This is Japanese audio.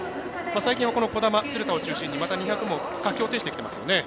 最近は兒玉、鶴田を中心に２００も活況を呈してきてますよね。